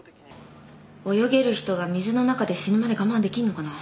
泳げる人が水の中で死ぬまで我慢できんのかな？